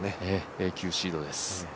永久シードです。